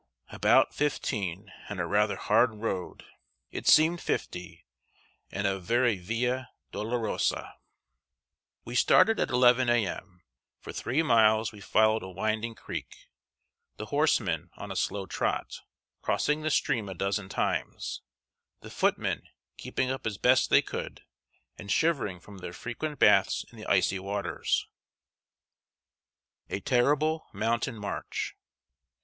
About fifteen, and a rather hard road! It seemed fifty, and a very Via Dolorosa. We started at 11 A.M. For three miles we followed a winding creek, the horsemen on a slow trot, crossing the stream a dozen times; the footmen keeping up as best they could, and shivering from their frequent baths in the icy waters. [Sidenote: A TERRIBLE MOUNTAIN MARCH.